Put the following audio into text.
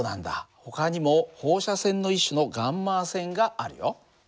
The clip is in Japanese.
ほかにも放射線の一種のγ線があるよ。